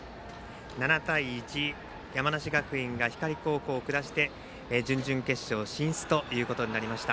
７対１山梨学院が光高校を下して準々決勝進出ということになりました。